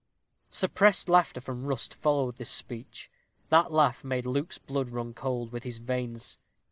Suppressed laughter from Rust followed this speech. That laugh made Luke's blood run cold within his veins.